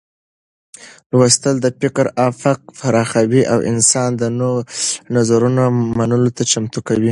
لوستل د فکر افق پراخوي او انسان د نوو نظرونو منلو ته چمتو کوي.